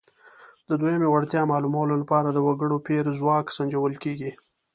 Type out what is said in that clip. د دویمې وړتیا معلومولو لپاره د وګړو پېر ځواک سنجول کیږي.